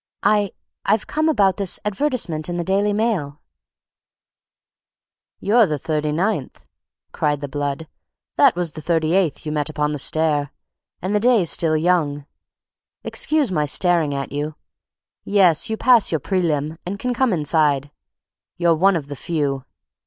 "I—I've come about his advertisement in the Daily Mail." "You're the thirty ninth," cried the blood; "that was the thirty eighth you met upon the stairs, and the day's still young. Excuse my staring at you. Yes, you pass your prelim., and can come inside; you're one of the few.